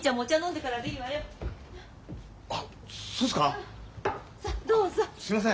すいません。